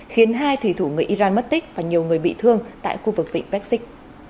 khiến hai thủy thủ người iran mất tích và nhiều người bị thương tại khu vực vịnh bexit